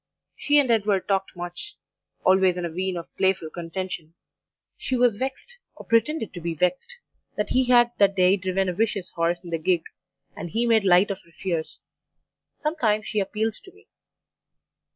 She and Edward talked much, always in a vein of playful contention; she was vexed, or pretended to be vexed, that he had that day driven a vicious horse in the gig, and he made light of her fears. Sometimes she appealed to me.